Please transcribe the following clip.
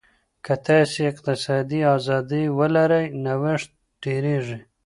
که تاسي اقتصادي ازادي ولرئ، نوښت ډېرېږي.